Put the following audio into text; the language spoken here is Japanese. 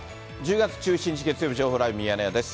１０月１７日月曜日、情報ライブミヤネ屋です。